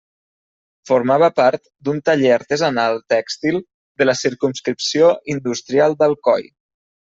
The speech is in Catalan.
Formava part d'un taller artesanal tèxtil de la circumscripció industrial d'Alcoi.